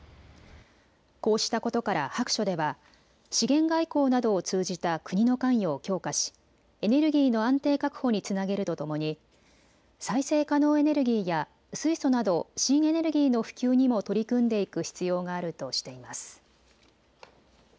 こうしたことから白書では資源外交などを通じた国の関与を強化しエネルギーの安定確保につなげるとともに再生可能エネルギーや水素など新エネルギーの普及にも取り組んでいく必要があるとしています。